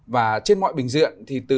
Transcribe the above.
và trên mọi bình diện thì từ